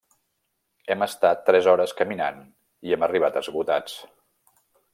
Hem estat tres hores caminant i hem arribat esgotats.